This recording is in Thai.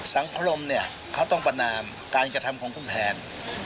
สังคมเนี่ยเขาต้องประนามการกระทำของคุณแพน